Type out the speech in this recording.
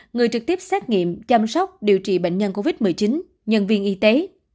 người trực tiếp xét nghiệm chăm sóc điều trị bệnh nhân covid một mươi chín nhân viên y tế